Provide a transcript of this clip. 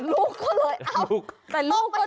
ลูกก็เลยเอาต้มไปท้องชิดอีก